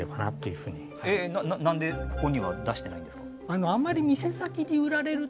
えっ何でここには出してないんですか？